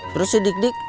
terus si dikdik